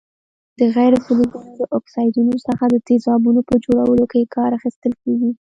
د غیر فلزونو له اکسایډونو څخه د تیزابونو په جوړولو کې کار اخیستل کیږي.